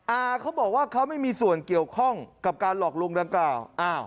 อาเขาบอกว่าเขาไม่มีส่วนเกี่ยวข้องกับการหลอกลวงดังกล่าว